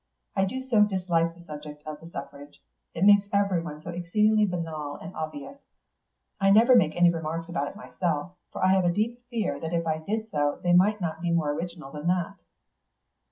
I do so dislike the subject of the suffrage; it makes everyone so exceedingly banal and obvious. I never make any remarks about it myself, for I have a deep fear that if I did so they might not be more original than that."